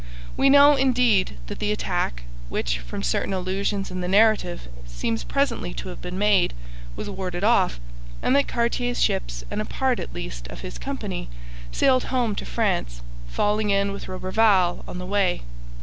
We know, indeed, that the attack, which, from certain allusions in the narrative, seems presently to have been made, was warded off, and that Cartier's ships and a part at least of his company sailed home to France, falling in with Roberval on the way.